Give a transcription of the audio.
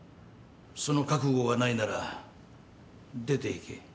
その覚悟がないなら出ていけ。